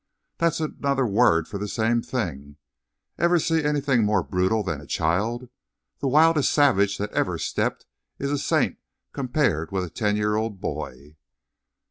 "That's another word for the same thing. Ever see anything more brutal than a child? The wildest savage that ever stepped is a saint compared with a ten year old boy."